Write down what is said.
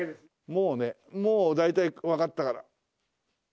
もうねもう大体わかったから。